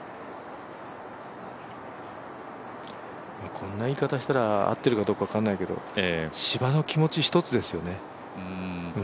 こんな言い方したら合ってるかどうか分かんないけど芝の気持ち一つですよね。